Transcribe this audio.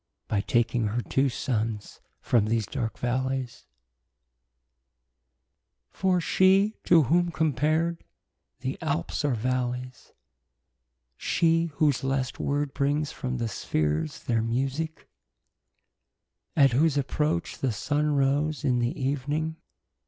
By taking her two Sunnes from these darke vallies. 142 ARCADIA. LIB. i. For she , to whom compar'd , the Alpes are v allies, Klaius. She , whose lest word brings from the spheares their musique. At whose approach the Sunne rose in the evening.